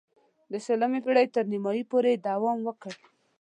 د شلمې پېړۍ تر نیمايی پورې یې دوام وکړ.